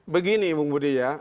begini bung budi ya